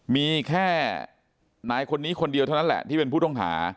มีแค่นายคนนี้คนเดียวเท่านั้นแหละที่เป็นผู้ต้องหา